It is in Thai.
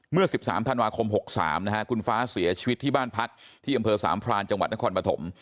เมื่อ๑๓ธันวาคม๖๓นะฮะคุณฟ้าเสียชีวิตที่บ้านพักที่อำเภอสามพรานจังหวัดนครปฐม